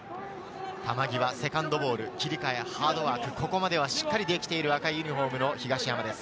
球際、セカンドボール、切り替え、ハードワーク、ここまではしっかりできている赤いユニホームの東山です。